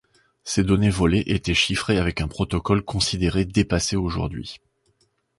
Ces données volées étaient chiffrées avec un protocole considéré dépassé aujourd'hui.